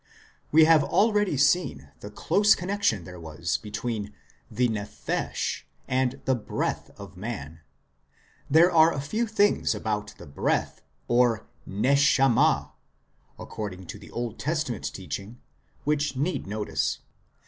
We have already seen the close connexion there was between the nephesh and the " breath " of man ; there are a few things about the breath (n&shamah), according to Old Testament teaching, which need notice.